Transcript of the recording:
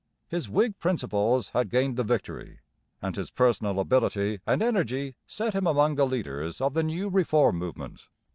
His Whig principles had gained the victory; and his personal ability and energy set him among the leaders of the new reform movement.